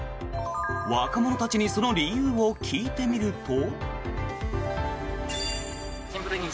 若者たちにその理由を聞いてみると。